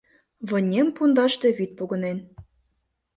Вынем пундаште вӱд погынен.